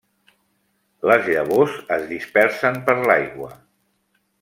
Les llavors es dispersen per l'aigua.